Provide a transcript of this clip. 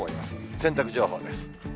洗濯情報です。